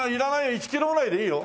１キロぐらいでいいよ。